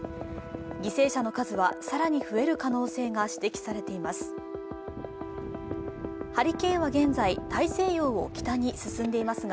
犠牲者の数は更に増える可能性が指摘されています。